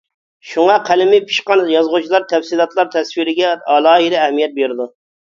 شۇڭا قەلىمى پىشقان يازغۇچىلار تەپسىلاتلار تەسۋىرىگە ئالاھىدە ئەھمىيەت بېرىدۇ.